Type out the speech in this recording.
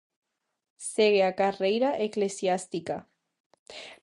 Segue a carreira eclesiástica.